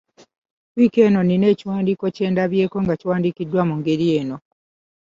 Wiiki eno nnina ekiwandiiko kye ndabyeko nga kiwandiikiddwa mu ngeri eno.